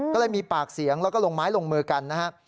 ก็เลยมีปากเสียงแล้วก็ลงไม้ลงมือกันนะครับ